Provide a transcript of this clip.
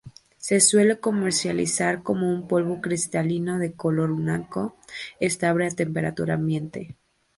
Se suele comercializar como un polvo cristalino de color blanco, estable a temperatura ambiente.